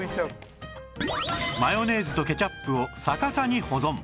マヨネーズとケチャップを逆さに保存